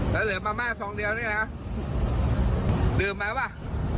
แล้วเหลือมาม่าซองเดียวนี่นะดื่มมาป่ะ